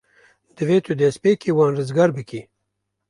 Divê tu destpêkê wan rizgar bikî.